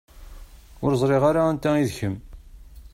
Ur ẓriɣ ara anta i d kemm.